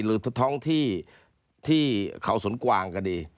หรือท้องที่ที่เขาสวนกวางก็ดี